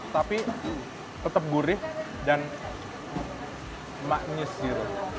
tapi tetap gurih dan manis gitu